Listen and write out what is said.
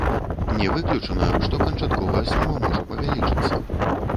Не выключана, што канчатковая сума можа павялічыцца.